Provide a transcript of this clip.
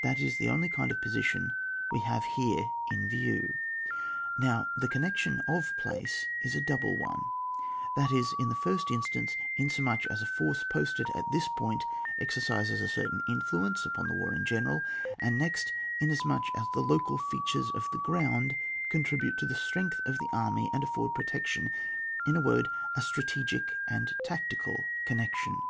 That is the only kind of po sition we have here in view. Now the connection of place is a double one ; that is, in the first instance, inasmuch as a force posted at this point exercises a certain influence upon the war in general ; and next, inasmuch as the local features of the ground contri bute to the strength of the army and afford protection : in a word, a strategic and a tactical connection.